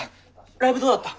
ライブどうだった？